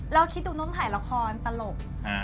เราคิดดูนู้นถ่ายละครตลก